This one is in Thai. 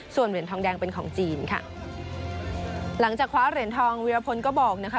ส่วนเหรียญทองแดงเป็นของจีนค่ะหลังจากคว้าเหรียญทองวีรพลก็บอกนะคะ